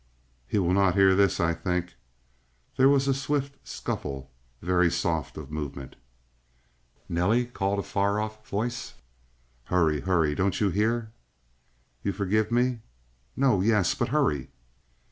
"He will not hear this, I think." There was a swift scuffle, very soft of movement. "Nelly!" called a far off voice. "Hurry, hurry! Don't you hear?" "You forgive me?" "No yes but hurry!"